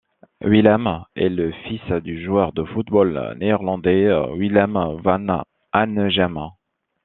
Willem est le fils du joueur de football néerlandais Willem van Hanegem.